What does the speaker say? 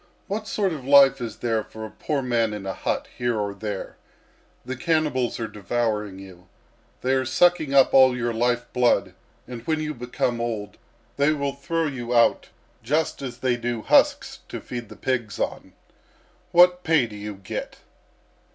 What sort of life is there for a poor man in a hut here or there? The cannibals are devouring you. They are sucking up all your life blood, and when you become old, they will throw you out just as they do husks to feed the pigs on. What pay do you get?"